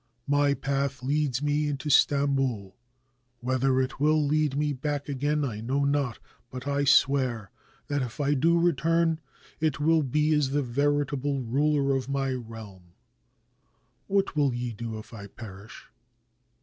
My path leads me into Stamboul; whether it will lead me back again, I know not. But I swear that if I do return it will be as the veritable ruler of my realm. What will ye do if I perish?"